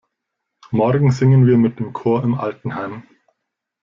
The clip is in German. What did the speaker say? Morgen singen wir mit dem Chor im Altenheim.